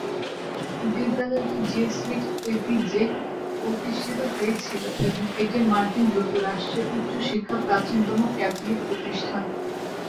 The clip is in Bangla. বিদ্যালয়টি জেসুইট ঐতিহ্যে প্রতিষ্ঠিত হয়েছিল এবং এটি মার্কিন যুক্তরাষ্ট্রের উচ্চ শিক্ষার প্রাচীনতম ক্যাথলিক প্রতিষ্ঠান।